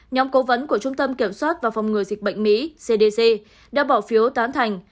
nhóm cố vấn của trung tâm kiểm soát và phòng ngừa dịch bệnh mỹ cdc đã bỏ phiếu tán thành